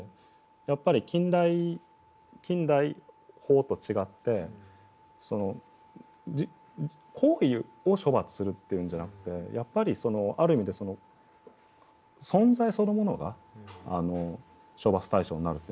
やっぱり近代近代法と違って行為を処罰するっていうんじゃなくてやっぱりある意味で存在そのものが処罰対象になるっていうんですかね。